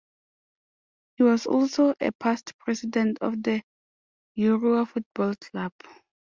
He was also a past president of the Euroa Football Club.